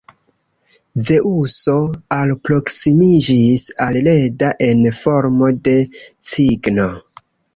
Zeŭso alproksimiĝis al Leda en formo de cigno.